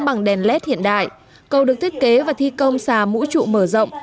bằng đèn led hiện đại cầu được thiết kế và thi công xà mũ trụ mở rộng